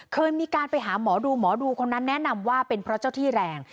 เคยมีการไปหาหมอดูหมอดูคนนั้นแนะนำว่าเป็นเพราะเจ้าที่แรง